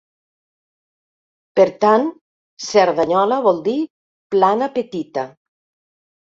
Per tant, Cerdanyola vol dir plana petita.